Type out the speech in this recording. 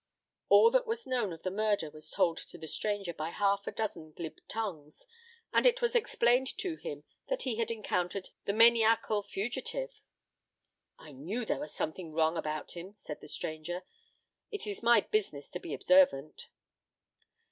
All that was known of the murder was told to the stranger by half a dozen glib tongues, and it was explained to him that he had encountered the maniacal fugitive. "I knew there was something wrong about him," said the stranger. "It is my business to be observant."